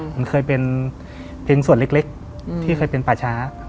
มันเคยเป็นเพียงส่วนเล็กที่เคยเป็นป่าช้า